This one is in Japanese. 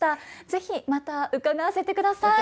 是非また伺わせてください。